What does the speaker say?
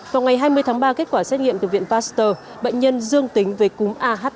vào ngày hai mươi tháng ba kết quả xét nghiệm từ viện pasteur bệnh nhân dương tính về cúm ah năm